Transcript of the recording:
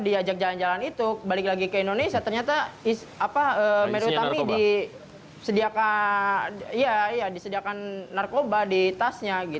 diajak jalan jalan itu balik lagi ke indonesia ternyata merry utami disediakan narkoba di tasnya